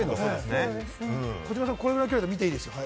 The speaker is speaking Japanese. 児嶋さん、このくらいの距離で見ていいですよ。